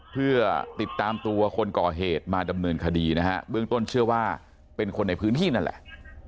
เพื่อติดตามตัวคนก่อเหตุมาดำเนินคดีนะฮะเบื้องต้นเชื่อว่าเป็นคนในพื้นที่นั่นแหละ